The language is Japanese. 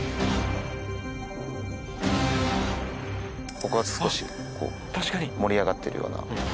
ここ少し盛り上がってるような。